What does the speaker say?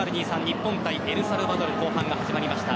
日本対エルサルバドル後半が始まりました。